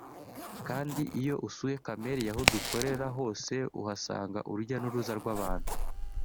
Kandi iyo usuye Camellia aho dukorera hose uhasanga urujya n’uruza rw’abantu